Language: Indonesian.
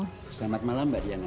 selamat malam mbak diana